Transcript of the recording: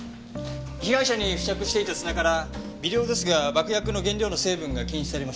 被害者に付着していた砂から微量ですが爆薬の原料の成分が検出されました。